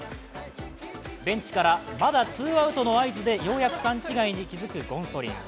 ベンチから、まだツーアウトの合図でようやく勘違いに気づくゴンソリン。